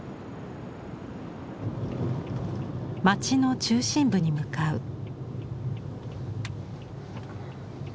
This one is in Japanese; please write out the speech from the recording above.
街の中心部に向かう。